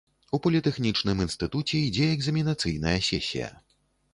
У політэхнічным інстытуце ідзе экзаменацыйная сесія.